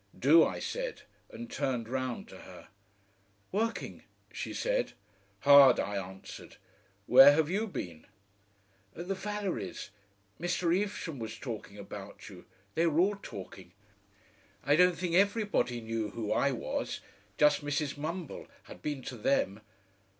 "Do," I said, and turned round to her. "Working?" she said. "Hard," I answered. "Where have YOU been?" "At the Vallerys'. Mr. Evesham was talking about you. They were all talking. I don't think everybody knew who I was. Just Mrs. Mumble I'd been to them.